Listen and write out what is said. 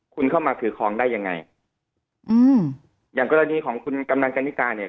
คุณเข้ามาถือครองได้ยังไงอืมอย่างกรณีของคุณกำนันกันนิกาเนี่ย